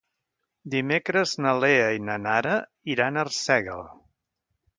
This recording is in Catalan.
Dimecres na Lea i na Nara iran a Arsèguel.